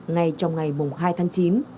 ngay trong ngày hai tháng chín